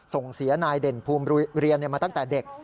ส่งเสียนายเด่นภูมิเรียนมาตั้งแต่เด็ก